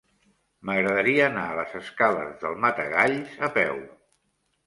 M'agradaria anar a les escales del Matagalls a peu.